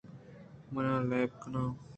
من لیب کن آں